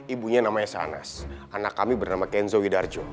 ibunya namanya sanas anak kami bernama kenzo widarjo